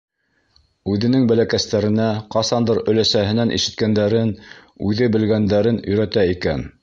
Үҙенең бәләкәстәренә, ҡасандыр өләсәһенән ишеткәндәрен, үҙе белгәндәрен өйрәтә икән.